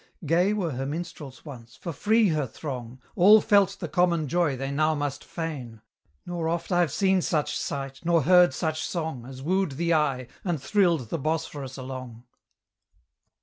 Gay were her minstrels once, for free her throng, All felt the common joy they now must feign; Nor oft I've seen such sight, nor heard such song, As wooed the eye, and thrilled the Bosphorus along.